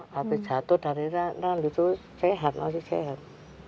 habis jatuh dari nanti itu sehat masih sehat